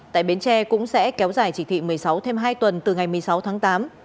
tại bến tre cũng sẽ kéo dài chỉ thị một mươi sáu thêm hai tuần từ ngày một mươi sáu tháng tám